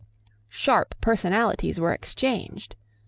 Sharp personalities were exchanged.